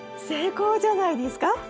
成功じゃないですか？